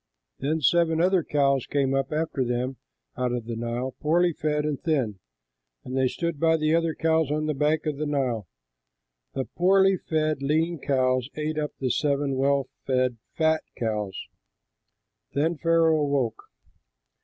Then seven other cows came up after them out of the Nile, poorly fed and thin, and they stood by the other cows on the bank of the Nile. The poorly fed, lean cows ate up the seven well fed, fat cows. Then Pharaoh awoke.